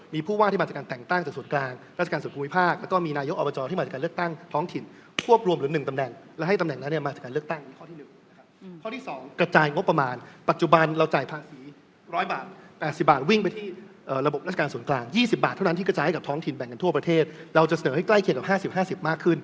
มีผู้ว่าที่มาจากการแต่งตั้งจากส่วนกลางราชการส่วนภูมิภาค